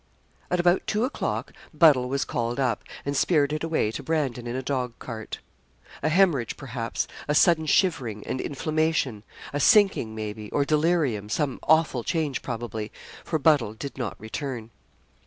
At about two o'clock Buddle was called up, and spirited away to Brandon in a dog cart. A haemorrhage, perhaps, a sudden shivering, and inflammation a sinking, maybe, or delirium some awful change, probably for Buddle did not return.